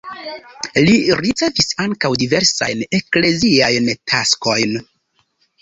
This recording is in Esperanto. Li ricevis ankaŭ diversajn ekleziajn taskojn.